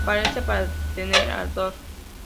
Aparece para detener al Dr.